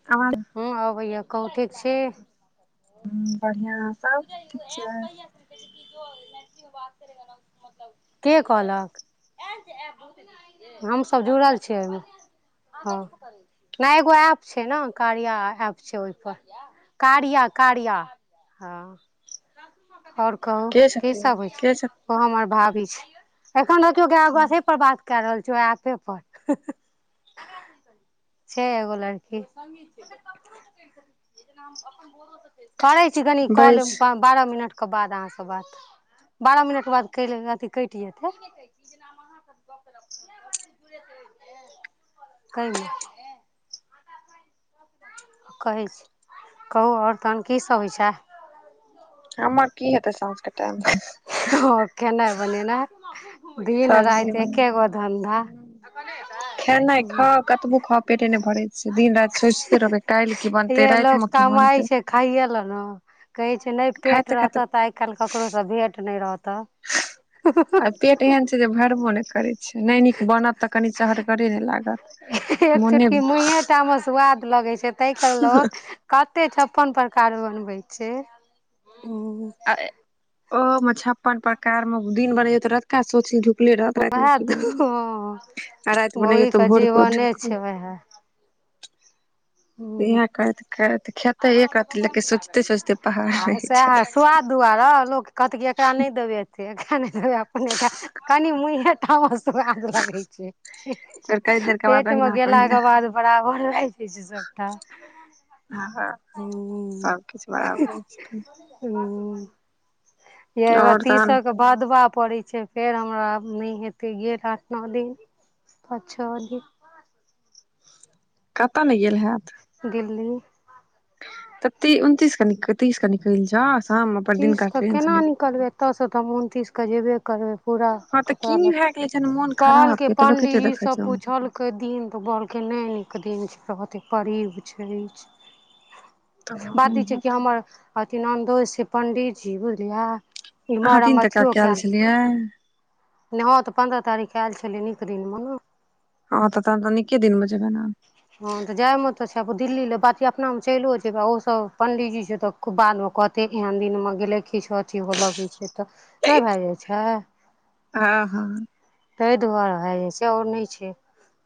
[inaudible] हँ अबैया कौठे छी। ह बढ़िआँ सब ठीक छैय। के कहलक? हमसभ जुड़ल छियै एहिमे हँ। नै एगो एप्प छैय ने कार्या एप छैय ओहिप कार्या कार्या। हँ और कहू के की सब छथिन होइ के छैय ओ हमर भाभी छैय। एखन देखियौ गाय छथिन बासे पर बात क रहल छियौ ए एपे पर। छैय एगो लड़की करै छी कनी कल बैस बारह मिनटके बाद अहाँसँ बात बारह मिनटके बाद क अथी कटि जेतै। [inaudible] कहहिमे। कहै छी कहू और तहन की सब होइ छैय। हमर की हेतै साँझ के टाइम ओ खेने बनेने। दिन सब्जी रायत एके बनाब गो धंधा। तबु ख पेटे ने भरै। से दिन रति सोचिते रहबै काइल की बनतै ये लोक राइतमे की कमाइ बनतै छै खाइये ले ने कहै छैय नहि पेट खाइते रह खाइते तऽ आइ काल्हि ककरोसँ भेँट नहि रह आ तऽ। पेट एहन छैय जे भरबो नहि करै छै नहि नीक बनत तऽ कनि चहठगरे नहि लागत। एक मोने चुटकी मुहे टा मे सुआद लगै छै ताहिके ल कते छप्पन प्रकार बनबै छैय हूँ। आ ओ मे छप्पन प्रकार मे दिन बनैय त रतका सोचु जे उले रहत उएह रातिमे की तऽ बनबौ हँ आ राति बनैयौ मौगीके तऽ भोरके उठ जीवने छै कऽ उएह इह करैत करैत खेतेे एक रति लेकिन सोचते सोचते पहाड़ रहै छैय। सुआद दुआरे लोक कहतै कि एकरा नहि देबै एते एकरा नै देबै अपनेटा कनि मुँहे तामस तऽ आर लगै छैय। कई देर के बाद पेट मे ओहिना गेलाक के बाद बराबर भए छैय सब। हँ हँ हूँ सबकिछु बड़बै छैय। हूँ ये हमरा आओर तहन तीसक भदबा पड़ैत छैय फेर हमरा नहि हेतै गेल आठ नौ दिन। अच्छा अधिक कतऽ नहि गेल हैत दिल्ली। हँ। तऽ ती उनतीस क निक तीस क निकल जा शाम पर दिनका ट्रेन से निक ओतऽसँ त हम उनतिसके जेबे करबै पूरा हँ तऽ कपड़ा की ल भए गेलै जहन मोन कहल खराब के तऽ लोक कते पंडीजी देखै सब छै पूछल दिन तऽ बड़के नहि नीक दिन छैय बते परीब छैय। तब बात नहि ई छैय कि हैत हमर अथि नन्दो छैय पंडितजी बुझलियै। अहाँ इमहर तीन हम टका अथियो काएल [unintelligible] नय हं त पन्द्रह तारीख क येल छलय नीक दिनमे न हं त तहन त निके दिनमे जेबै न। हं त जाय मे त छै, आब दिल्ली ले बाकी अपनामे चलिओ जेबय, ओहोसभ पंडीजी छै त बाद मे कहते, एहन दिन मे गेलै, किछु अथी हो लगय छ त। नहि भे जाइ छय। आ हं। तय दुआरे भ जाय छय, और नहि छै,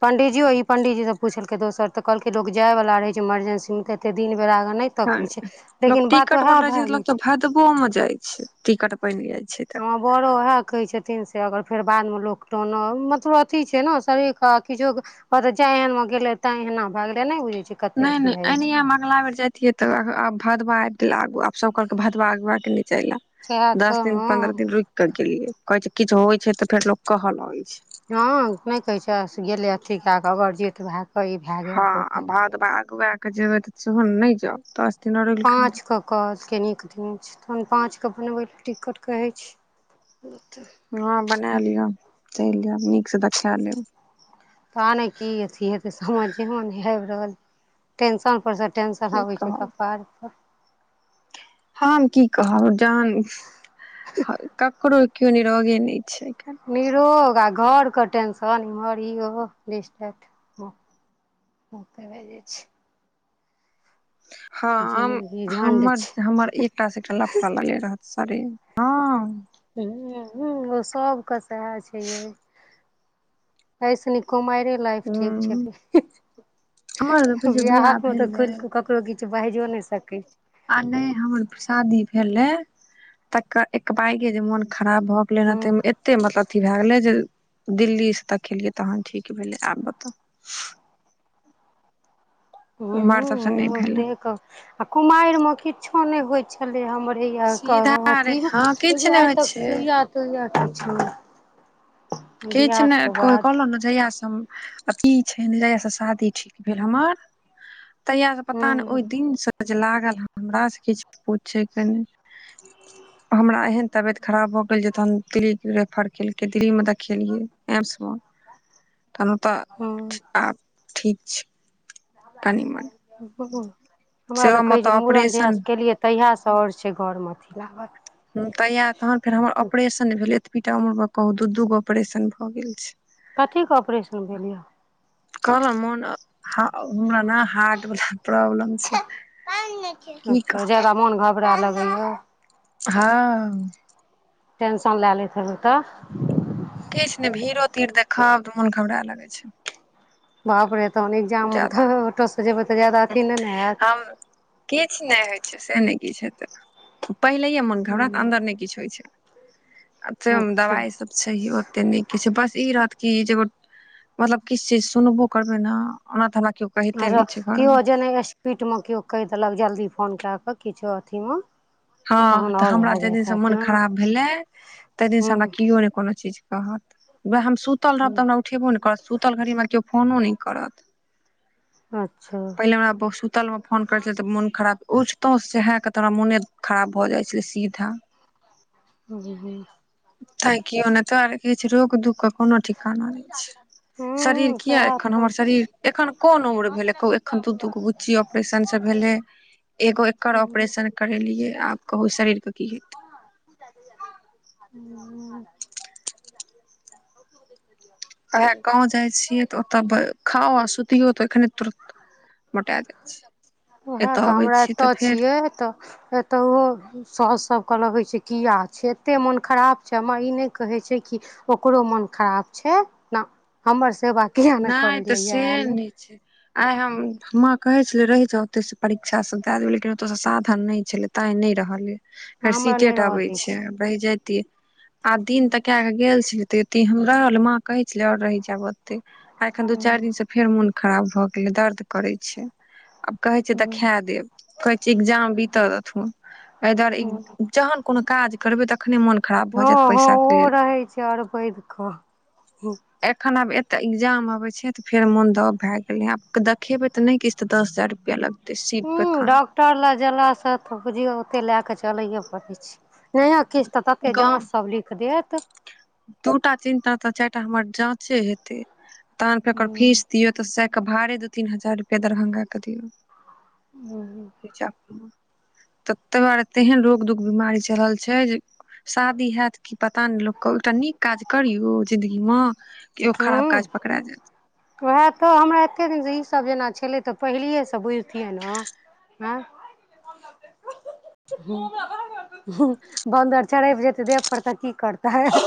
पंडीजियो ई पंडीजीसब पुछलकै दोसर त कहलकै, लोक जाय बला रहै छै मरजेंसी मे, तऽ एते दिन बेरागन नहि हँ तकय छय, लेकिन बात वैह भ गेय छै। तबो अहां जाय छीय, टिकट बनि जाय छय। बरो वैह कहै छथिन, से अगर फेर बादमे लोक टोनअब मतलब अथी छै, ने शरीरके किछो कहतय जाय एहन मे गेलै, तें एहना भ गेले, नहि बुझै छी। नय -नय ऐहेनाये हम, अगला बेर जाइ तिय आब भदवा आबि गेल आगू, आब सभ कहलक भदवा अगवाके नय चल सएह आउ। दस तऽ दिन हँ पन्द्रह दिन रुकि क गेलियै, कहय छै किछु होइ छै त, फेर लोको कह लगय छै। हं नहि कहय छय, से गेलै अथी के क, ओकर जेठ भे और इ भे गेल। ओ हँ भए गेल भाद भाग भए के जिबैत, तऽ सेहोहन नहि जाउ तऽ पाँच कऽ। कहलकै नीक दिन छै, तहन पाँच के बनबै लए टिकट कहै छी त। हँ बना लियऽ, चलि जायब नीक से तऽ खैलेब लेब। पता ने की अथि हेते, समझै नै आबि रहल ये, टेंशन से सब टेन्शन की हाबै छैय कहब कपाड़ पर। हम की कहब जहन ह ककरो कियो निरोगे नै छै‌ आय-काएल। निरोग आ घरके टेंशन इम्हर ईहो दीस दैट। उ तऽ भए जाइ छै। हँ हम- जिन्दगी झण्ड हमर छै -हमर एकटा से एकटा लफड़ा लगे रहत शरीर हाँ। सबके सएह छै यै। तैएसे निक कुमारे लाइफ ठीक हूँ छलै हमर तऽ बुझियौ बिहाअ बियाह मे तऽ भेलै कोइ ककरो दैख कुछौ बाजियौ नहि सकै आ नहि हमर शादी भेले, तकर एकबायगे जे मोन खराब भऽ गेलै हैं हूँ तै मे एते मतलब अथी भाए गेलै जे दिल्लीसँ दैखेलियै तहन ठीक भेलै आब बताउ। मां सबसँ नहि भेलै। कब? आ कुमाएर में किछो ने होइत छले हमर भैया सीधा अथी, रे हँ एगो किछु नहि आइ होइ तक छै सुइया तुइया किछ नै। किछ ने कोइ बाद कहलौ नऽ जैया से हम की छै ने जहियासँ शादी ठीक भेल हमर, तहियासँ पता ने हूँ ओहि दिनसँ जे लागल हमरा से किछ पूछेके नै, हमरा एहन तबियत खराब भऽ गेल जे तहन दिल्ली रेफर केलकै दिल्लीमे देखेलियै एम्स मऽ तऽ तनहु तऽ हूँ आब ठीक छै कनि-मनि। हमरा तऽ कहै छै मूड़न ऑपरेशन जहिआसँ केलियै, तहियासँ आओर छै घरमे अथी लागल। उ कनिया के तखन फेर हमर ऑपरेशन भेलैये एतबीटा उमर मे कहु दू दूगो ऑपरेशन भ गेल छै। कथीके ऑपरेशन भेल या। कहलहु मोन, हमरा ने हार्ट वला प्रॉब्लम छै। की अच्छा कहब जादा मोन घबड़ाय लगैया। हां। टेंशन लाए लैत हेबै तऽ। किछ ने भीड़ो-तीड़ देखब तऽ मोन घबड़ाय लागै छै। बाप रे तहन इग्जाम मे ज्यादा तऽ ऑटो से जेबै तऽ जादा अथी नै ने हैत। किछ नै होय छै से नै किछ हेतै, पहिलेये मोन घबड़ा हूँ हमरा ते अन्दर नै किछ होय छै। तै मे अच्छा दवाइ सब छैहे ओते नीक। किछ बस ई रहत कि जे ओ मतलब किछ चीज सुनबो करबै ना ओना तऽ हमरा कियो आरो कियो जेना स्पीड मे कियो कैह देलक जल्दी फोन काए कऽ किछो अथि मे हां तऽ हमरा जे दिन से मोन खराब भेलए तै दिन से हूँ हमरा कियो नै कोनो चीज कहत वैह हम सुतल रहब हूँ तऽ हमरा उठेबो नहि करत, सुतल घड़ीमे केओ फोनो नहि करत। अच्छा पहिले हमरा बहु सुतल मे फोन करै छलियै तऽ मुन खराब उठतौ सेहाए कहतऽ हमरा मुने खराब भऽ जाइ छलै सीधा। हूँ-हूँ। तैं कियो नै तऽ आर किहै छै रोग- दुःख ओकर कुनो ठिकाना ने छै, शरीर किया सएह एखन तऽ हमर शरीर एखन कोन उम्र भेलै कहु ए खन दू-दूगो बुच्ची ऑपरेशन से भेलै। एगो एकर हूँ ऑपरेशन करेलियै आब कहु ई शरीर के की हेतै। हुं उ उहे गाँव जाय छिय, त ओत बअ खाओ आ सुतियो त, ऐखने तुरत मोटा जाइ छी उऐह त एतऽ अबै हमरा छी एतय तऽ फेर छिय त ऐतहुउ साॅउस सभ कह लग छै, किये छै एते मन खराब छै, म ई नहि कहय छै कि ओकरो मोन खराब छै, ना हमर सेवा किये नहि करय ले ऐल छय। आइ हम, मां कहे छले रहय जाउ ओतय स परीक्षा सब दे देबय, लेकिन ओत स साधन नहि छलय। तांय नहि रहलीय, फेर सी हमरा नहि टेट रहऽ अबय दै छै छय। रहि जतियै, आब दिन तका क गेल छलै, त ते हमरा माँ कहे छलेै और रहि जेब अतय, एखन दू हूँ चारि दिन स फेर मोन खराब भ गेलय, दर्द करय छय आ कहय छय हूँ देखे देब, कहय छी एग्जाम बीत देथुन। एहि दुआरे इ हूँ जहन कोनो काज करबै, तखने मोन खराब भ जेत पैसाके लेल। से अरि बैद क हु। एखन आब अत एग्जाम आबे छे, त फेर मन दब भेए गेलय,, आब देखेबे त नहि किछ त दस हजार रुपया लगतै। त शिवप्रखण्ड। टर लग जेला स त बुझियौ, ओते ले क चलये परय छय। नहि किछु त तते गाँव जाँच सब लिख देत। दूटा चिन्ता त चारिटा हमर जाँचे हेतय, तहन फेर ओकर फीस दिय। त सेके भाड़े दू तीन हजार रुपया दरभंगा के दियऔ, हूँ मिर्जापुर ततऽ दुआरे तेहन रोग दुग बिमारी चलल छै, जे शादी हेत की पता ने लोक कहु एकटा नीक काज करियौ, जिन्दगीमे की ओ खराब काज पकड़ा जायत। उहे तऽ हमरा एते दिन से ईसभ जेना छलै, त पहिलियेस बुझतियै न। ऐं। बन्दर छड़िप जेतै देह पर, त की करतय। हें ह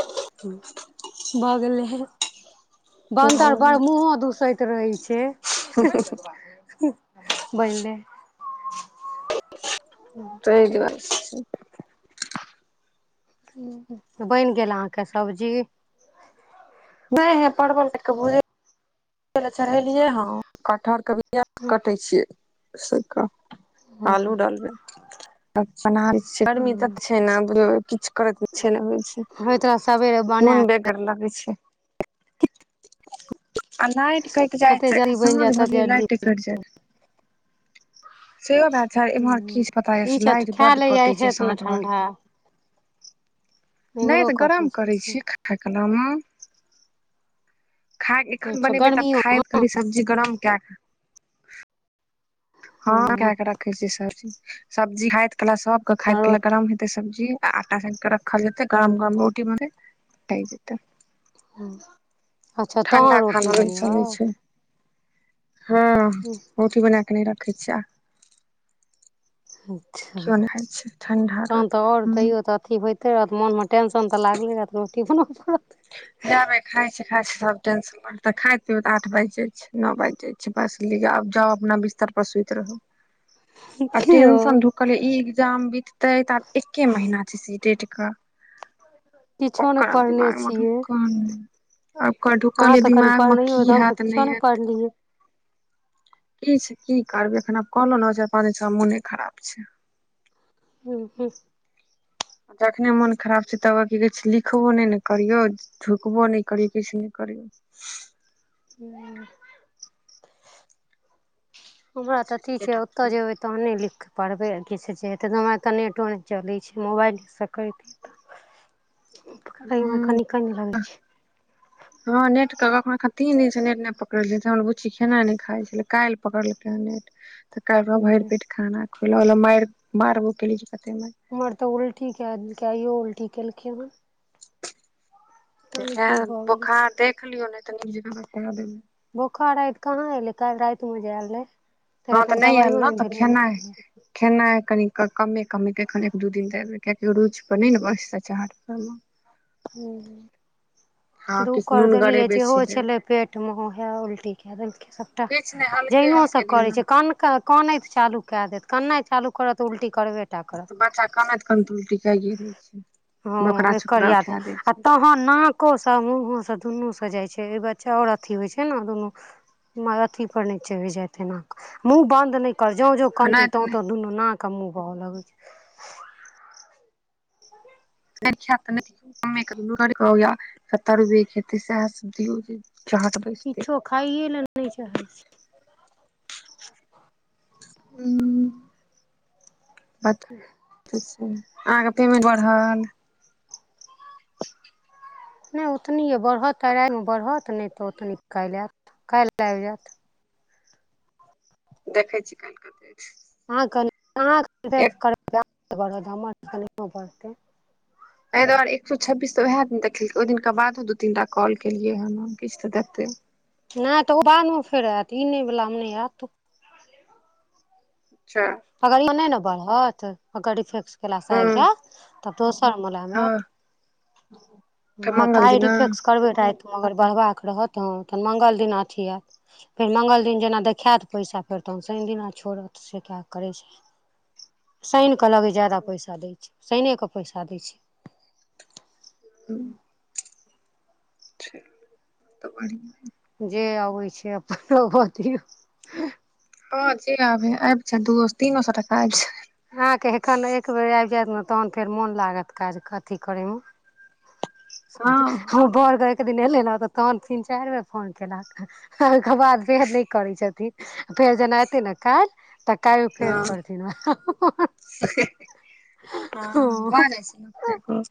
भ गेलय। बन्दर बड़ ह मुँहो दुसैत रहै छै। बनले। ह [unintelligible] सहि दव [unintelligible] बनि गेल अहाँके सब्जी। नहि ह परबल दे क ले चढ़ेलियै ह कटहरके कटे छियैक। हूँ आलू डालबे। गर्मी हूँ ततऽ छै ने किछु कर के ई छै ने होइ छै। होइत रहै सबेरे ब मोन बेगर लगै छै। आ लाइट कटि जाय जते छै जल्दी बनि साँझ जायत तते भरलिय जल्दी लाइट से भ [unintelligible] सर एम्हर की पता ई य छै लाइट खा बड ले जाइ कटैत छै ने साँझ भर ठंडा नहि इम्हरो तऽ कटै गरम छै करै से छीयै खा न खाय एखन अच्छा बनेबे तऽ गर्मियो खाय घी सब्जी। गरम के क। हँ क के राखे छी सबी सब्जी खाइत कला सबके खाइत क रोटी गरम। सब्जी आटा सान के रखल जेतै गरम गरम रोटी मेट जेते। ह अच्छा तहन ठंडा खाना रोटी नहि बनेबै। चलै छै हँ रोटी बना कऽ नहि रखै छियै। अच्छा केओ नहि खाइ छै ठंडा काँ तऽ रोटी आओर हूँ तैयो तऽ। अथी होइत रहऽ मोनमे टेन्शन तऽ लागलै रहत रोटी बनबऽ पड़त। जाबे खाइ छै खाय छै सब टेशन। आओर तऽ खायइत पी आठ बाजि जाय छै नओ बाजि जाय छै बस लिय आब जाउ अपना बिस्तर पर सुति रहू। [inaudible] आ कि यौ टेंशन ढुकले ई एग्जाम बितते तऽ आब एके महीना छै सी टेड का किछो नहि ओकार अब पढ़ने दीमाग म छियै क। आकर ढुकल ये दिमाग मे की हत नहि हत। करीए [unintelligible] की छै की करबै एखन आब कहलो ने पांच छ दिनस मोनो खराब छै। हू हूँ। जखने मोन खराब छै तब की कहै छै लिखबो नहि ने करियौ। टोकबो नहि करियौ किछु नहि करियौ। [inaudible] हमरा तऽ अथी छै ओतय जेबे। तहने लिखिकऽ पढ़बै किछु हेतै हम तऽ नेटो नहि चलै छै मोबाइलेसँ करतै। [unintelligible] हू। छै [inaudible] हँ नेट त कखन तीन दिनसँ नेट नहि पकड़ल हमर बुच्ची खेनाइ नहि खाइ छलै काल्हि पकड़लकै हँ नेट। तऽ कैल भरि हूँ पेट खाना खुलार मारबो केली कते मार। हमर तऽ उल्टी क दलके एयो उल्टी केलखै हँ। की भऽ गेल छै बोखार देख लियौ नहि तऽ नीक जका बजा देबे। बोखार राति कहाँ ऐलै काल रातिमे जे अल रहै। तकरा हँ तऽ तनी नहि ऐल दबाइयो ने तऽ देलियै नहि खेनाय एलै खेनाइ कनिक कमे कमेके एखन एक दू दिन देबय कियकि रुइचपर नै ने बसय छय [unintelligible] हूं- हँ दु किछु कर नूनगरे देलियै जेहो बेसी देबै छलै पेटमे उएह उल्टी कए देलकै सभटा। किछु नहि हल्के जैनो स हल्के दियौ करय ने छै कान- कं -कन- कनैत चालू कए देत, कननाय चालू करत त उल्टी करबे टा करत तऽ बच्चा कानैत -कानैत उलटि कैए दै छै बोकरा हँ एकर छोकरा याद अइ। उठै दैय आ छै। तहन नाकोसँ मुँहोसँ दुन्नूसँ जाइ छै अइ बच्चा आओर अथी होइ छै ने दुनू मर अथी पर नै चैढ जाय तना क मुहँ बन्द न नै जों -जों नहि कनतय तऽ तों- नहि तो दुनू नाक आ मुँह बहऽ लगै छै। नै खै त नै दिअउ। [unintelligible] किछो खाइए लए नइ चाहै छय। [unintelligible] बच्चा [inaudible] [unintelligible] अहाँके पेमेंट बढ़ल? नइ ओतनी अय बढ़त त राइ मे बढ़त नै तऽ ओतनी काइल ऐत, काइल आइब जैत। देखै छी, काइल कते [unintelligible] बढत एक हमर त एखन नहियों बढ़तै। तय दुआरे एक सए छब्बीस तऽ उहे दिन देखेलकै ओहि दिनका बादो दू तीन टा कॉल केलियै हन किछ तऽ देतै। नै तऽ ओ बादमे फेर ऐत ई नै वला मे फेर नइ ऐत। [inaudible] [inaudible] अगड इ में नै ने बढ़त अगर इफेक्स केलासँ आइब हँ जैत तऽ दोसर मला में हँ ऐत। तऽ हँ मंगल काइ दिना रिफेक्स करबै राइत मे अगर बढ़बाक रहत त हँ तहन मंगल दिन अथी ऐत। फेर मंगल दिन जेना देखैत पैसा फेर तहन शइन दिना छोड़त सेकए करै छै शैन के लगै जादा पैसा दै छै शैने क पैसा दै छै। [inaudible] चलु त बढ़ियां जे अबै छै अपन अबऽ दियौ। हं जे आबयै आइब जैए। दूओ-तीनो सए टका आइब जैऽ। हांके एखन एक बेेर आइब जैत ने तहन फेर मोन लागत काज कथी करयम। हँ [unintelligible] हमर बर के एक दिन एलैने तऽ तहन तीन चाइर बेर फोन केलक। ओय के बाद फेर नै करै छथिन फेर जेना एतै ने काइल तऽ काइल फेर करथिन ओ [unintelligible] हं भ ह जाय छै। को-